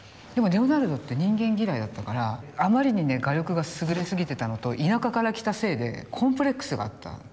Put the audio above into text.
でもレオナルドって人間嫌いだったからあまりに画力が優れすぎてたのと田舎から来たせいでコンプレックスがあった。